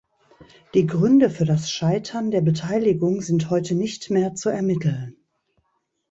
Die Gründe für das Scheitern der Beteiligung sind heute nicht mehr zu ermitteln.